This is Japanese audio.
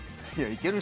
いける？